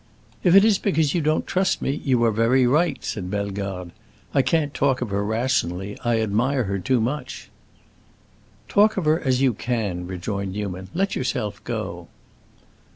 "If it is because you don't trust me, you are very right," said Bellegarde. "I can't talk of her rationally. I admire her too much." "Talk of her as you can," rejoined Newman. "Let yourself go."